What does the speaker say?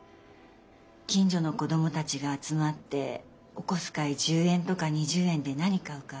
近所の子どもたちが集まってお小遣い１０円とか２０円で何買うか。